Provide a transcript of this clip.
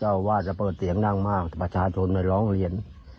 ว่าจะเปิดเสียงนั่งมากประชาชนไปร้องเรียน